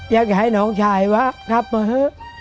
อยากให้นองชายวะครับมาเถอะ